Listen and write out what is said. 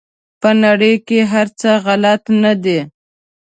په نړۍ کې هر څه غلط نه دي.